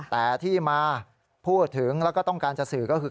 แต่ที่มาพูดถึงแล้วก็ต้องการจะสื่อก็คือ